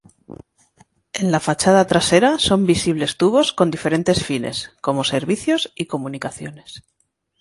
En la fachada trasera son visibles tubos con diferentes fines, como servicios y comunicaciones.